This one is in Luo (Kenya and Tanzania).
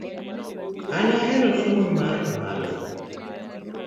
An ahero somo mar ohala